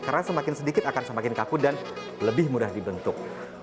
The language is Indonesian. karena semakin sedikit akan semakin kaku dan lebih mudah dibentuk